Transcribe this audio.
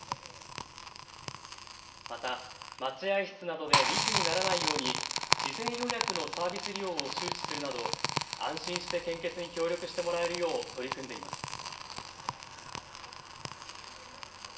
また、待合室などで密にならないように事前予約のサービス利用を周知するなど安心して献血に協力してもらえるよう取り組んでいます。